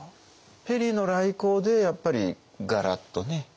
ペリーの来航でやっぱりガラッとね。